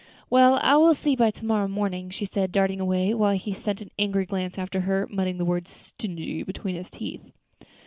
"Well, I will see by to morrow morning," she said, darting away, while he sent an angry glance after her, muttering the word "stingy" between his teeth.